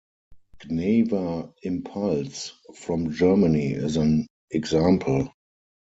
Gnawa Impulse from Germany is an example.